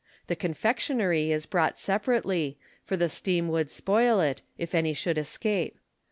The confectionery is brought separately, for the steam would spoil it, if any should escape.